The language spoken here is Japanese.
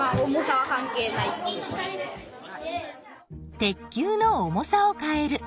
鉄球の重さを変える。